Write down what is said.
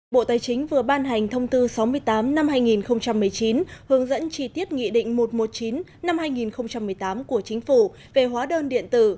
bộ tài chính vừa ban hành thông tư sáu mươi tám năm hai nghìn một mươi chín hướng dẫn chi tiết nghị định một trăm một mươi chín năm hai nghìn một mươi tám của chính phủ về hóa đơn điện tử